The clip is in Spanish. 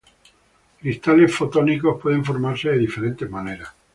Cristales fotónicos pueden formarse de diferentes maneras.